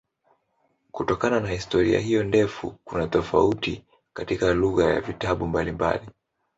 Kutokana na historia hiyo ndefu kuna tofauti katika lugha ya vitabu mbalimbali.